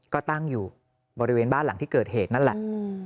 ก็ตั้งอยู่บริเวณบ้านหลังที่เกิดเหตุนั่นแหละ